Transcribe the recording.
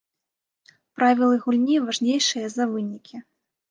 Правілы гульні важнейшыя за вынікі.